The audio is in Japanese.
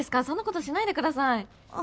そんなことしないでください。